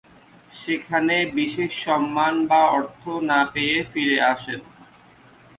সেখানে বিশেষ সম্মান বা অর্থ না পেয়ে ফিরে আসেন।